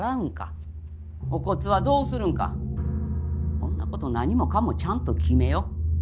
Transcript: ほんな事何もかもちゃんと決めよ。